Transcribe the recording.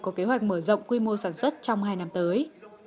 có kế hoạch mở rộng quy mô sản xuất trong hai năm tới